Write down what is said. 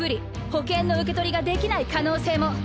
保険の受け取りができない可能性も。